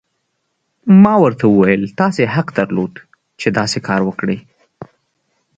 ما ورته وویل: تاسي حق درلود، چې داسې کار وکړي.